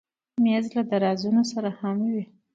مېز له درازونو سره هم وي.